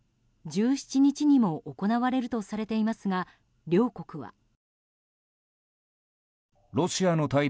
１７日にも行われるとされていますが、両国は。